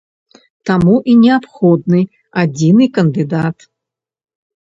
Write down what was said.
Таму і неабходны адзіны кандыдат.